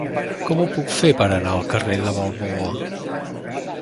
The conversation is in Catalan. Com ho puc fer per anar al carrer de Balboa?